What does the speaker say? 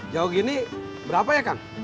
jauh gini berapa ya kang